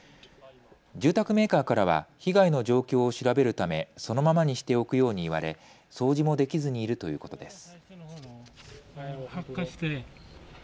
住宅メーカーからは被害の状況を調べるため、そのままにしておくように言われ、掃除もできずにいるということです。